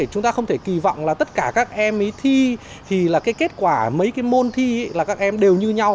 chúng ta không thể kỳ vọng tất cả các em thi thì kết quả mấy môn thi các em đều như nhau